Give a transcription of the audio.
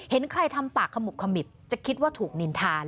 เห็นใครทำปากขมุกขมิบจะคิดว่าถูกนินทาน